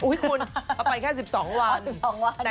เอ้ยคุณไปค่าสิบสองวัน